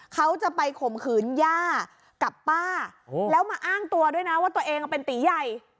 เขาจะไปข่มขืนย่ากับป้าแล้วมาอ้างตัวด้วยนะว่าตัวเองเป็นตีใหญ่